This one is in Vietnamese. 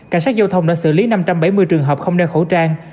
cảnh sát giao thông đã xử lý năm trăm bảy mươi trường hợp không đeo khẩu trang